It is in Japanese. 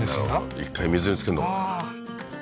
１回水につけるのかな？